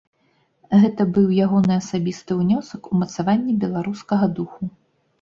Гэта быў ягоны асабісты ўнёсак у мацаванне беларускага духу.